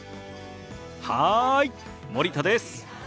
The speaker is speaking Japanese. はい森田です。